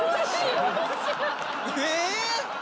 え！